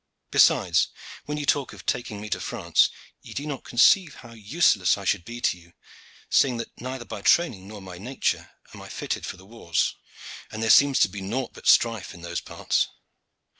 Besides, when ye talk of taking me to France, ye do not conceive how useless I should be to you, seeing that neither by training nor by nature am I fitted for the wars, and there seems to be nought but strife in those parts."